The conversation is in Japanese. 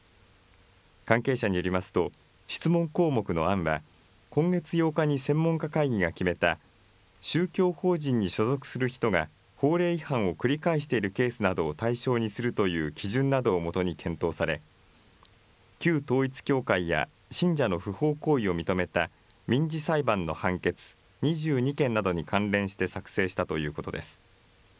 関係者によりますと、質問項目の案は、今月８日に専門家会議が決めた宗教法人に所属する人が法令違反を繰り返しているケースなどを対象にするという基準などをもとに検討され、旧統一教会や信者の不法行為を認めた民事裁判の判決２２件などに関連して作成したということです。